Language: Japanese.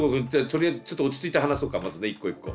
とりあえずちょっと落ち着いて話そうかまずね一個一個。